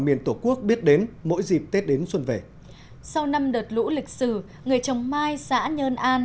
miền tổ quốc biết đến mỗi dịp tết đến xuân về sau năm đợt lũ lịch sử người trồng mai xã nhơn an